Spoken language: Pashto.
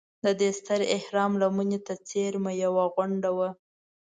د دې ستر اهرام لمنې ته څېرمه یوه غونډه وه.